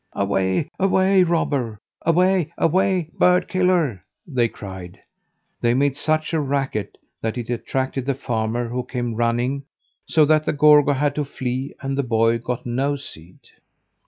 "Away, away, robber! Away, away, bird killer!" they cried. They made such a racket that it attracted the farmer, who came running, so that Gorgo had to flee, and the boy got no seed.